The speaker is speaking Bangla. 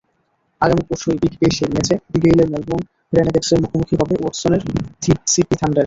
আগামী পরশুই বিগ ব্যাশের ম্যাচে গেইলের মেলবোর্ন রেনেগেডসের মুখোমুখি হবে ওয়াটসনের সিডনি থান্ডার্স।